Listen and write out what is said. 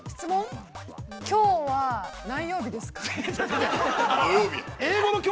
きょうは、何曜日ですか。